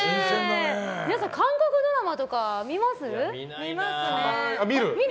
皆さん韓国ドラマとか見ます？